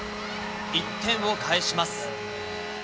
１点を返します。